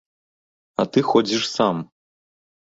А ты ходзіш сам.